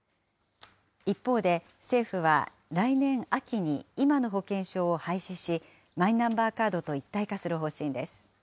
一方で、政府は、来年秋に今の保険証を廃止し、マイナンバーカードと一体化する方針です。